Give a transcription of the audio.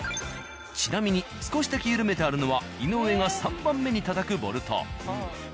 ちなみに少しだけ緩めてあるのは井上が３番目にたたくボルト。